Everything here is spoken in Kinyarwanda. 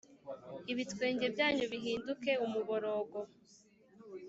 Ibitwenge byanyu bihinduke umuborogo